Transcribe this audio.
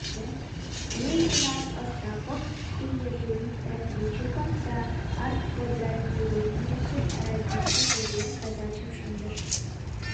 Лейтенант Остапов, шке йырже вич разведчикым да артподразделенийысе радистым поген, задачым шындыш: